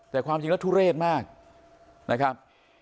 แต่ความจริงแล้วทุเรศมากนะครับ